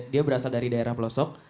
dia berasal dari daerah pelosok